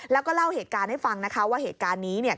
แล้วก็เล่าเหตุการณ์ให้ฟังนะคะว่าเหตุการณ์นี้เนี่ย